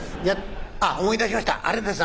あっ思い出しましたあれです